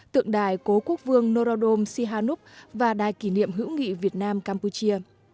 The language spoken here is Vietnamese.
tượng đài cố quốc vương norodom sihanuk và đài kỷ niệm hữu nghị việt nam campuchia